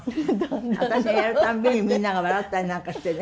私がやるたんびにみんなが笑ったりなんかしてね。